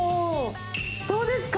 どうですか？